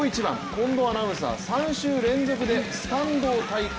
近藤アナウンサー、３週連続でスタンドを体感。